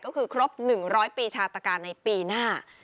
ก็คือครบ๑๐๐ปีชาตการในปีหน้า